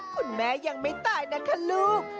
คุณแม่ยังไม่ตายนะคะลูก